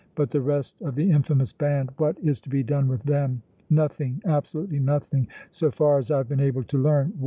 But the rest of the infamous band, what is to be done with them? Nothing, absolutely nothing, so far as I have been able to learn!